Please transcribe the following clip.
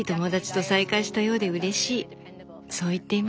そう言っていました。